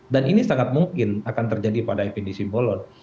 dan ini sangat mungkin akan terjadi pada fdi simbolon